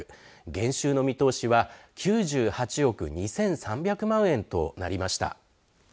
減収の見通しは９８億２３００万円となりました。